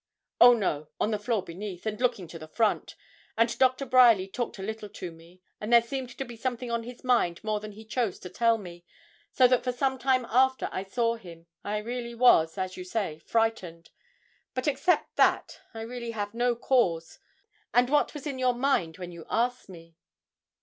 'Oh, no; on the floor beneath, and looking to the front. And Doctor Bryerly talked a little to me, and there seemed to be something on his mind more than he chose to tell me; so that for some time after I saw him I really was, as you say, frightened; but, except that, I really have had no cause. And what was in your mind when you asked me?'